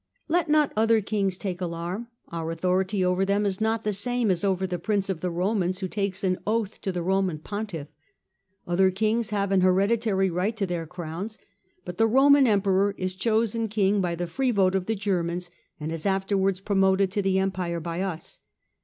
" Let not other Kings take alarm ; our authority over them is not the same as over the Prince of the Romans, who takes an oath to the Roman Pontiff. Other Kings have an hereditary right to their Crowns, but the Roman Emperor is chosen King by the free vote of the Germans, and is afterwards promoted to the Empire by us.